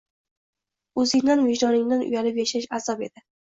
Oʻzingdan, vijdoningdan uyalib yashash azob edi.